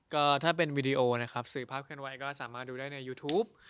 ก็ถ้าเป็นวีดีโอนะครับสื่อภาพเคลื่อนไว้ก็สามารถดูได้ในยูทูป